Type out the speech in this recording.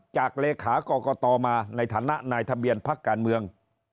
เลขากรกตมาในฐานะนายทะเบียนพักการเมือง